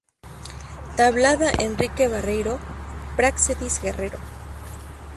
Tablada, Enrique Barreiro, "Práxedis Guerrero.